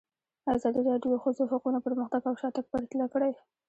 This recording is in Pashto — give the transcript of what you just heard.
ازادي راډیو د د ښځو حقونه پرمختګ او شاتګ پرتله کړی.